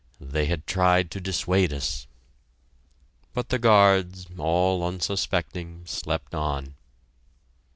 They had tried to dissuade us. But the guards, all unsuspecting, slept on.